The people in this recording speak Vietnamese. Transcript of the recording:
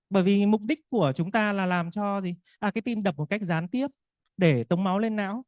bởi vì mục đích của chúng ta là làm cho cái tim đập một cách gián tiếp để tống máu lên não